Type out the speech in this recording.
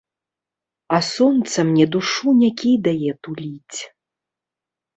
А сонца мне душу не кідае туліць.